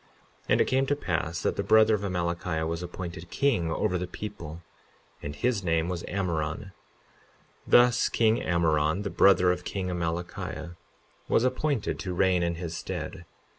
52:3 And it came to pass that the brother of Amalickiah was appointed king over the people; and his name was Ammoron; thus king Ammoron, the brother of king Amalickiah, was appointed to reign in his stead.